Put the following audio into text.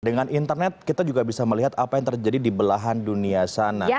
dengan internet kita juga bisa melihat apa yang terjadi di belahan dunia sana